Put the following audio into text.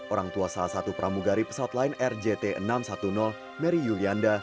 orang tua salah satu pramugari pesawat lain rjt enam ratus sepuluh mary yulianda